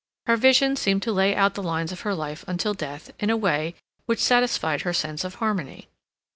Her vision seemed to lay out the lines of her life until death in a way which satisfied her sense of harmony.